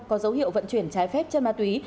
có dấu hiệu vận chuyển trái phép chân ma túy